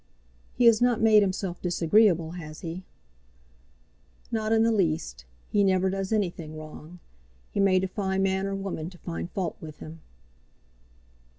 "He has not made himself disagreeable, has he?" "Not in the least. He never does anything wrong. He may defy man or woman to find fault with him."